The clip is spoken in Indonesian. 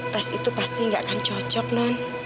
tes itu pasti gak akan cocok non